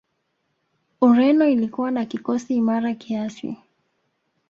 ureno ilikuwa na kikosi imara kiasi